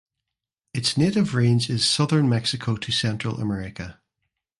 Its native range is Southern Mexico to Central America.